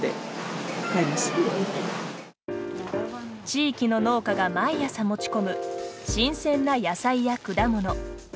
地域の農家が毎朝持ち込む新鮮な野菜や果物。